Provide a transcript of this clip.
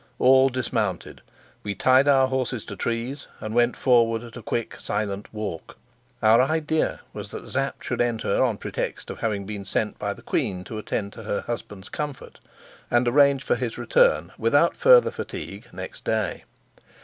All dismounted, we tied our horses to trees and went forward at a quick, silent walk. Our idea was that Sapt should enter on pretext of having been sent by the queen to attend to her husband's comfort and arrange for his return without further fatigue next day.